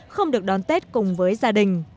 không được đón tết cùng với gia đình